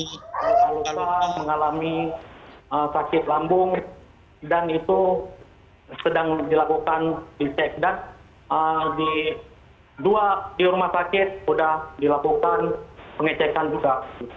mengalami sakit lambung dan itu sedang dilakukan di cek dan di rumah sakit sudah dilakukan pengecekan juga